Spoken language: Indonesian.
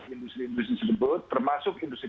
industri industri tersebut termasuk industri